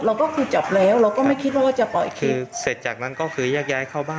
เราก็คือจับแล้วเราก็ไม่คิดว่าจะปล่อยคือเสร็จจากนั้นก็คือแยกย้ายเข้าบ้าน